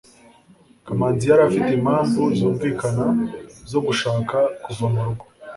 kamanzi yari afite impamvu zumvikana zo gushaka kuva mu rugo